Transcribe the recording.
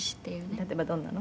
「例えばどんなの？」